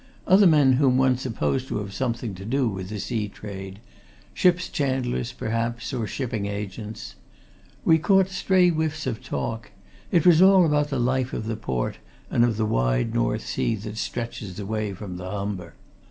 Other men whom one supposed to have something to do with sea trade ship's chandlers, perhaps, or shipping agents. We caught stray whiffs of talk it was all about the life of the port and of the wide North Sea that stretches away from the Humber.